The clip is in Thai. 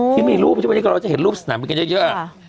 ที่มีรูปที่วันนี้เราจะเห็นรูปสนามกันเยอะ